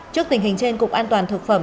trước tình hình trên cục an toàn thực phẩm